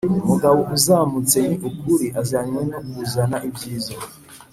umugabo uzamutse Ni ukuri azanywe no kuzana ibyiza